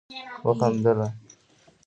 وخندله